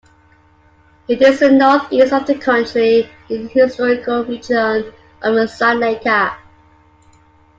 It is in the northeast of the country, in the historical region of Cyrenaica.